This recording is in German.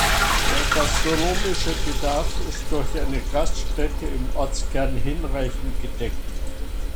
Der gastronomische Bedarf ist durch eine Gaststätte im Ortskern hinreichend gedeckt.